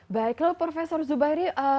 baiklah prof zubairi